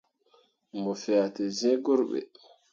Mo fea te zẽẽ gurɓe.